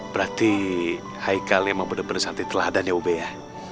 berarti haikal memang bener bener santai telah dan ya ub ya